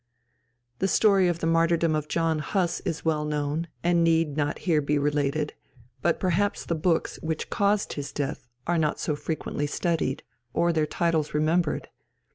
The story of the martyrdom of John Huss is well known, and need not be here related, but perhaps the books which caused his death are not so frequently studied or their titles remembered.